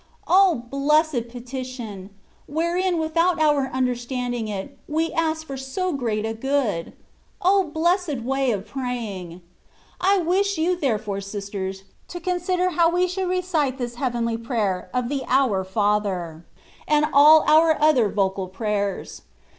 O blessed petition ! wherein, without our un derstanding it, we ask for so great a good ! O blessed way of praying ! I wish you, therefore, sisters, to consider how we should recite this heavenly prayer of the " Our Father," and all our other vocal prayers.